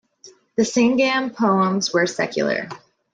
The Sangam poems were secular.